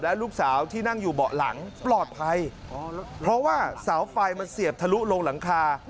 และลูกสาวที่นั่งอยู่เบาะหลังปลอดภัยเพราะว่าเสาไฟมันเสียบทะลุลงหลังคา